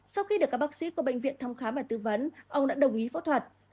sau khi được các bác sĩ của bệnh viện thăm khám và tư vấn ông đã đồng ý phẫu thuật